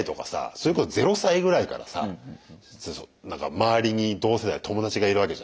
それこそ０歳ぐらいからさ何か周りに同世代友達がいるわけじゃない。